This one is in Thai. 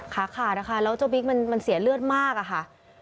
ขาดนะคะแล้วเจ้าบิ๊กมันเสียเลือดมากอะค่ะ